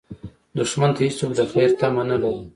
دښمن ته هېڅوک د خیر تمه نه لري